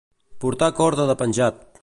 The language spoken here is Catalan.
Portar corda de penjat.